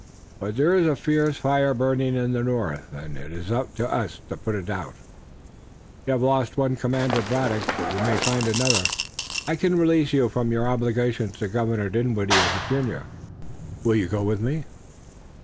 But there is a fierce fire burning in the north, and it is for us to put it out. You have lost one commander, Braddock, but you may find another. I can release you from your obligations to Governor Dinwiddie of Virginia. Will you go with me?"